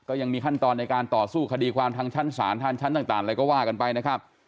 ก็ยังมีขั้นตอนในการต่อสู้คดีความทางชั้นศาลทางชั้นต่างอะไรก็ว่ากันไปนะครับ